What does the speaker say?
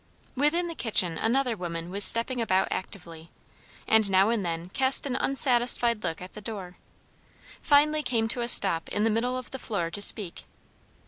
Within the kitchen another woman was stepping about actively, and now and then cast an unsatisfied look at the doorway. Finally came to a stop in the middle of the floor to speak.